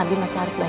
abi masih harus balik